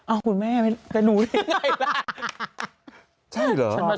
อ้าวคุณแม่แต่หนูนี่ยังไงล่ะ